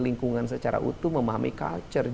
lingkungan secara utuh memahami culture